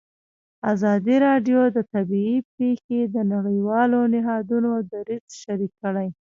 ازادي راډیو د طبیعي پېښې د نړیوالو نهادونو دریځ شریک کړی.